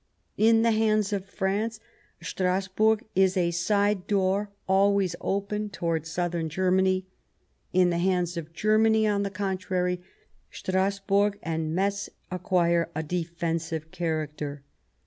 In the hands of France, Strasburg is a side door always open upon Southern Germany ; in the hands of Germany, on the contrary, Strasburg and Metz acquire a defensive character."